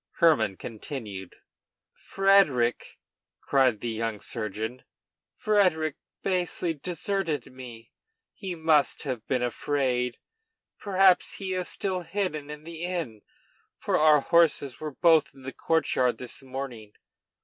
Hermann continued:] "Frederic!" cried the young surgeon, "Frederic basely deserted me. He must have been afraid. Perhaps he is still hidden in the inn, for our horses were both in the courtyard this morning.